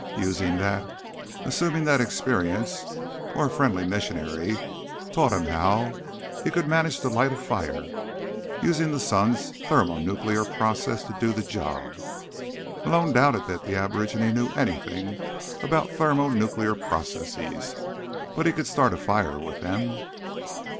Using that—assuming that experience, or a friendly missionary, taught him how—he could manage to light a fire, using the sun's thermonuclear processes to do the job. Malone doubted that the aborigine knew anything about thermonuclear processes, but he could start a fire with them.